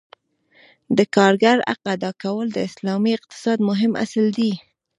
د کارګر حق ادا کول د اسلامي اقتصاد مهم اصل دی.